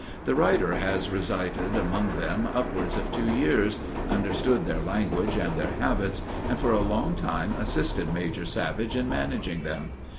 The writer has resided among them upwards of two years, understood their language and their habits, and for a long time assisted Major Savage in managing them.